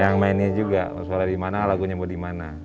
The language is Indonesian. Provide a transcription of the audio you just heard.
yang mainin juga suara dimana lagunya mau dimana